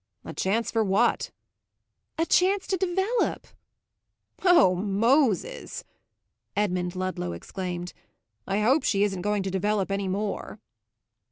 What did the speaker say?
"A chance for what?" "A chance to develop." "Oh Moses!" Edmund Ludlow exclaimed. "I hope she isn't going to develop any more!"